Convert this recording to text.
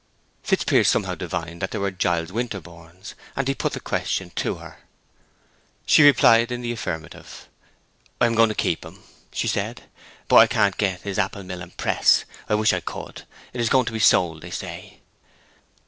Fitzpiers somehow divined that they were Giles Winterborne's, and he put the question to her. She replied in the affirmative. "I am going to keep 'em," she said, "but I can't get his apple mill and press. I wish could; it is going to be sold, they say."